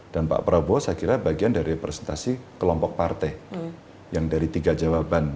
dan pak prabowo saya kira bagian dari representasi kelompok partai yang dari tiga jawaban